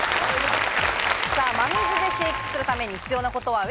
真水で飼育するために必要なことは？